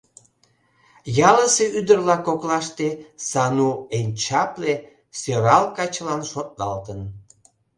Ялысе ӱдыр-влак коклаште Сану эн чапле, сӧрал качылан шотлалтын.